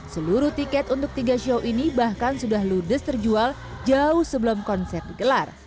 seluruh tiket untuk tiga show ini bahkan sudah ludes terjual jauh sebelum konser digelar